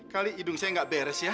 kali hidung saya nggak beres ya